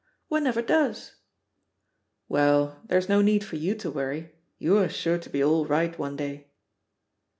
"One never does." "Well, there's no need for you to worry — you're sure to be all right one day."